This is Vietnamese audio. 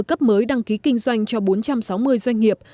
cấp mới đăng ký kinh doanh cho bốn trăm sáu mươi doanh nghiệp